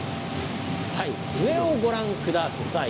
上をご覧ください。